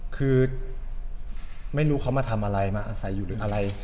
คือไม่รู้เขามาทำอะไรมาอาศัยอยู่หรืออะไร